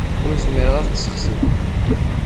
Ur zmireɣ ad tt-ssexsiɣ.